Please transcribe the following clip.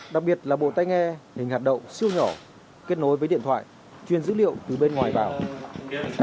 đặc biệt là bộ tay nghe hình hạt đậu siêu nhỏ kết nối với điện thoại truyền dữ liệu từ bên ngoài vào